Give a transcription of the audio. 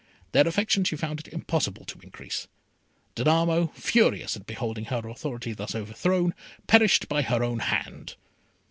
Their affection she found it impossible to increase. Danamo, furious at beholding her authority thus overthrown, perished by her own hand.